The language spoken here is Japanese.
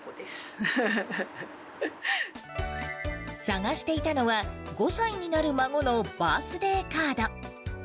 探していたのは、５歳になる孫のバースデーカード。